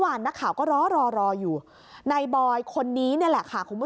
นักข่าวก็รอรออยู่ในบอยคนนี้นี่แหละค่ะคุณผู้ชม